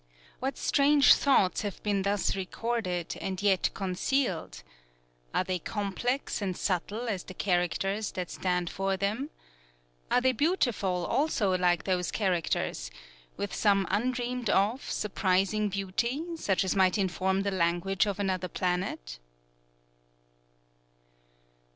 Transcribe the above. What strange thoughts have been thus recorded and yet concealed? Are they complex and subtle as the characters that stand for them? Are they beautiful also like those characters, with some undreamed of, surprising beauty, such as might inform the language of another planet?